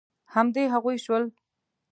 همدې هغوی شول.